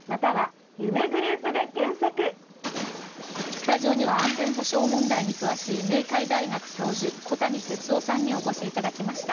スタジオには安全保障問題に詳しい明海大学教授、小谷哲男さんにお越しいただきました。